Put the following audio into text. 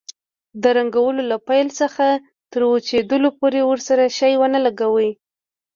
د رنګولو له پای څخه تر وچېدلو پورې ورسره شی ونه لګوئ.